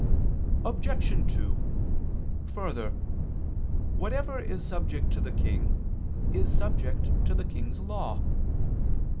Obj. 2: Further, whatever is subject to the King, is subject to the King's law.